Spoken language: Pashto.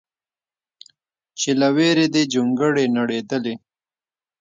چې له ویرې دې جونګړې نړېدلې